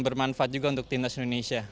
bermanfaat juga untuk timnas indonesia